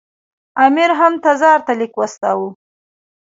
امیر هم تزار ته لیک واستاوه.